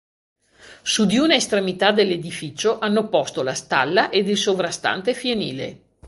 Su di una estremità dell'edificio hanno posto la stalla ed il sovrastante fienile.